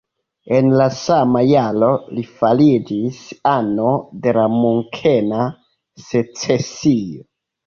En la sama jaro li fariĝis ano de la Munkena Secesio.